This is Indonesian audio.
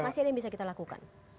masial yang bisa kita lakukan